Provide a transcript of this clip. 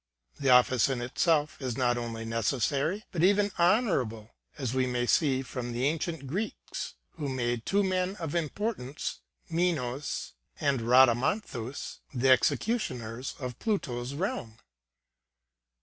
The office in itself is not only necessary, but even honorable, as we may see from the ancient Greeks, who made two men of importance, Minos and Rhadamanthus, the execu tioners in Pluto's realm.